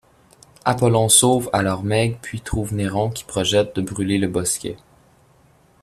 Apollon sauve alors Meg puis trouve Néron qui projette de brûler le Bosquet.